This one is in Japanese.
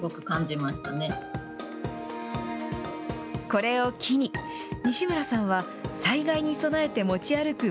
これを機に、西村さんは災害に備えて持ち歩く